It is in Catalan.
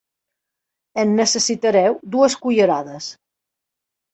En necessitareu dues cullerades.